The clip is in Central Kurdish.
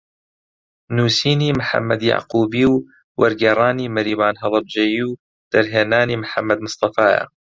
نووسینی محەممەد یەعقوبی و وەرگێڕانی مەریوان هەڵەبجەیی و دەرهێنانی محەممەد مستەفایە